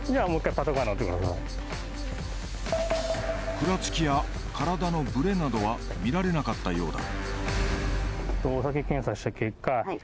ふらつきや体のブレなどは見られなかったようだ